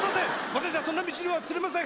私はそんな道には進みません！